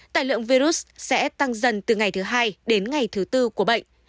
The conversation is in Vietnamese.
tài lượng virus sẽ tăng dần từ ngày thứ hai đến ngày thứ tư của bệnh